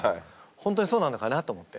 本当にそうなのかなと思って。